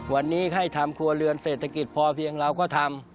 วันนี้ให้ทำครัวเรือนเศรษฐกิจพอเพียงเราก็ทำ